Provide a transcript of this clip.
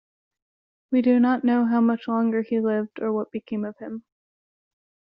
We do not know how much longer he lived or what became of him.